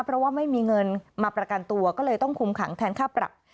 เพราะว่าไม่มีเงินมาประกันตัวก็เลยต้องคุมขังแทนค่าปรับ